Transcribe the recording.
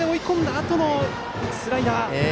あとのスライダー。